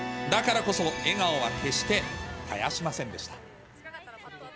だからこそ笑顔は決して絶やしませんでした。